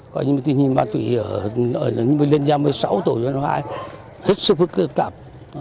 có những tình hình ma túy ở liên gia một mươi sáu tổ liên hoa hết sức phức tạp